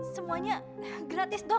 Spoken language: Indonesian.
semuanya gratis dok